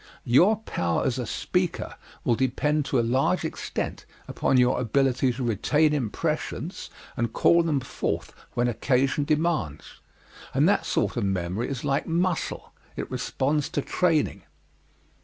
Your power as a speaker will depend to a large extent upon your ability to retain impressions and call them forth when occasion demands, and that sort of memory is like muscle it responds to training.